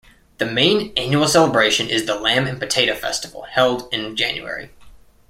The main annual celebration is the Lamb and Potato Festival held in January.